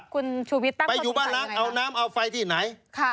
คุณชูวิตตั้งความสงสัยอย่างไรล่ะคุณชูวิตตั้งความสงสัยอย่างไรล่ะไปอยู่บ้านล้างเอาน้ำเอาไฟที่ไหน